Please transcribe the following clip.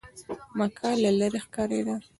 مکه له لرې ښکارېده.